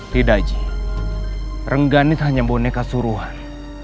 tidak ji rengganis hanya boneka suruhan